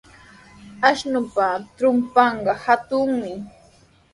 Ashnupa trupanqa hatunmi.